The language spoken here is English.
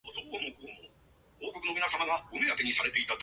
The winner was Armando Zucchini.